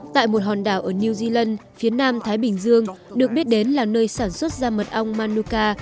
tại một hòn đảo ở new zealand phía nam thái bình dương được biết đến là nơi sản xuất da mật ong manuca